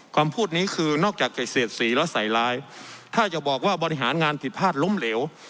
พูดนี้คือนอกจากจะเสียดสีแล้วใส่ร้ายถ้าจะบอกว่าบริหารงานผิดพลาดล้มเหลว